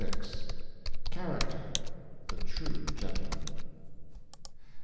1 CHARACTER— THE TRUE GENTLEMAN.